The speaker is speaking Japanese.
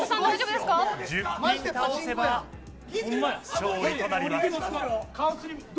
１０ピン倒せば勝利となります。